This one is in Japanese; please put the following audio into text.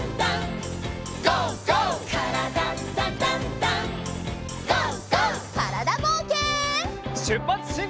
からだぼうけん。